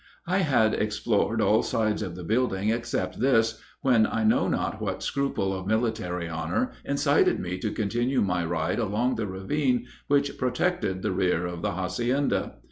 '" "I had explored all sides of the building except this, when I know not what scruple of military honor incited me to continue my ride along the ravine which protected the rear of the hacienda.